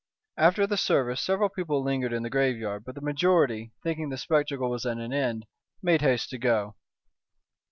After the service several people lingered in the graveyard, but the majority, thinking the spectacle was at an end, made haste to go.